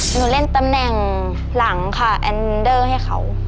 เล่นตำแหน่งหลังค่ะแอนเดอร์ให้เขา